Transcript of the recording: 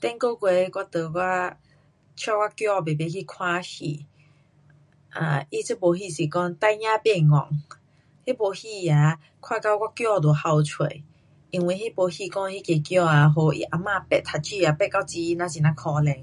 上个月我跟我，带我儿排排去看戏，呃，它那部戏是讲孩儿不笨，那部戏啊看到我儿都哭出，因为那部戏，讲那个儿啊被他阿妈逼读书逼到很呀很呀可怜。